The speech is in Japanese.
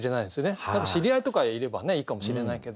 知り合いとかいればねいいかもしれないけど。